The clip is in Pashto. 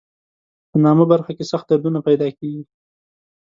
په نامه برخه کې سخت دردونه پیدا کېږي.